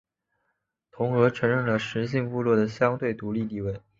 同俄承认了十姓部落的相对独立地位。